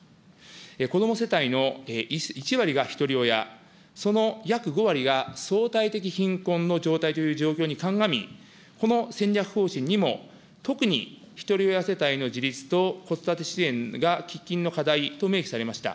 子ども世帯の１割がひとり親、その約５割が相対的貧困の状態という状況に鑑み、この戦略方針にも特にひとり親世帯の自立と子育て支援が喫緊の課題と明記されました。